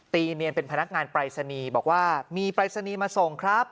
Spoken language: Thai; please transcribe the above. เนียนเป็นพนักงานปรายศนีย์บอกว่ามีปรายศนีย์มาส่งครับ